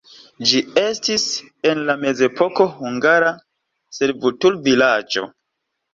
Ĝi estis en la mezepoko hungara servutulvilaĝo.